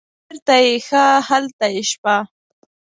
چیرته چې ښه هلته یې شپه.